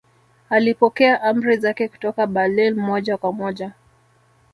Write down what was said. Alipokea amri zake kutoka Berlin moja kwa moja